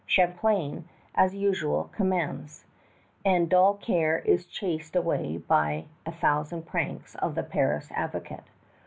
Champlain, as usual, commands; and dull care is chased away by a thousand pranks of the Paris advocate.